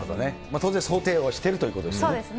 当然、想定はしてるということでそうですね。